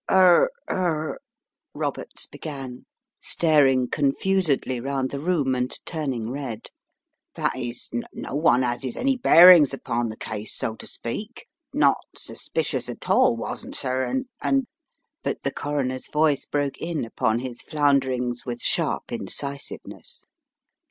"Er — er " Roberts began, staring confusedly 220 The Riddle of the Purple Emperor round the room, and turning red, "that is, no one as is any bearings upon the case, so to speak — not suspicious at all wasn't, sir, and — and " But the Coroner's voice broke in upon his flounder ings with sharp incisiveness.